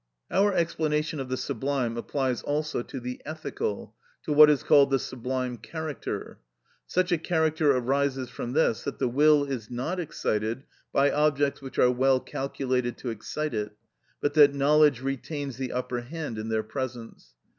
Our explanation of the sublime applies also to the ethical, to what is called the sublime character. Such a character arises from this, that the will is not excited by objects which are well calculated to excite it, but that knowledge retains the upper hand in their presence.